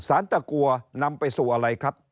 ตะกัวนำไปสู่อะไรครับ